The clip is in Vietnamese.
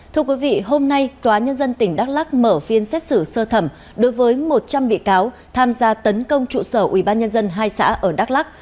thưa quý vị hôm nay tòa nhân dân tỉnh đắk lắc mở phiên xét xử sơ thẩm đối với một trăm linh bị cáo tham gia tấn công trụ sở ubnd hai xã ở đắk lắc